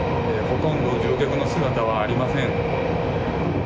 ほとんど乗客の姿はありません。